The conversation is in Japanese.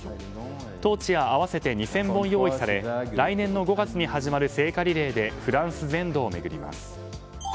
トーチは合わせて２０００本用意され来年の５月に始まる聖火リレーでフランス全土を巡ります。